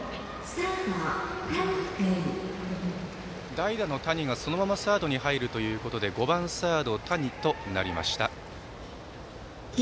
代打の谷が、そのままサードに入るということで５番、サード、谷となりました。